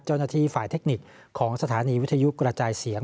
เจ้าหน้าที่ฝ่ายเทคนิคของสถานีวิทยุกระจายเสียง